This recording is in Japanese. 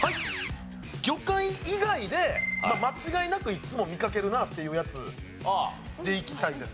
魚介以外で間違いなくいつも見かけるなっていうやつでいきたいです。